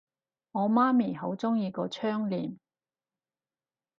我媽咪好鍾意個窗簾